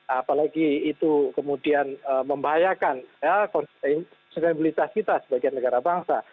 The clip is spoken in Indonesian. apalagi itu kemudian membahayakan konsentabilitas kita sebagai negara bangsa